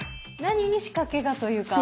何に仕掛けがというか。